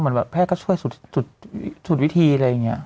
เหมือนแบบแพทย์ก็ช่วยสูตรวิธีอะไรอย่างเงี้ย